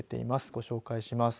ご紹介します。